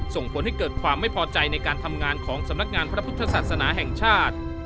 ส่งผลให้เกิดความไม่พอใจในการทำงานของสำนักงานพระพุทธศาสนาแห่งชาติ